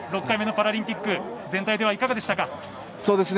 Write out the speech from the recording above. ６回目のパラリンピック全体ではいかがでしたか。